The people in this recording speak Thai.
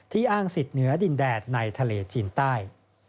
อ้างสิทธิ์เหนือดินแดดในทะเลจีนใต้